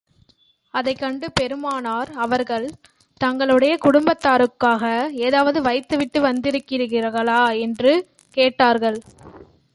அதைக் கண்டு பெருமானார் அவர்கள், தங்களுடைய குடும்பத்தாருக்காக ஏதாவது வைத்து விட்டு வந்திருக்கிறீர்களா? என்று கேட்டார்கள்.